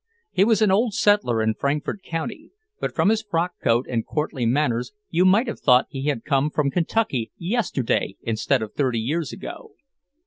He was an old settler in Frankfort county, but from his frockcoat and courtly manners you might have thought he had come from Kentucky yesterday instead of thirty years ago.